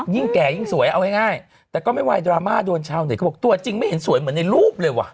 ยิ่งแก่ยิ่งสวยเอาง่ายแต่ก็ไม่ไหวดราม่าโดนชาวเน็ตเขาบอกตัวจริงไม่เห็นสวยเหมือนในรูปเลยว่ะ